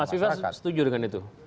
mas fifa setuju dengan itu